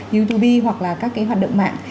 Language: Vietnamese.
youtube hoặc là các cái hoạt động mạng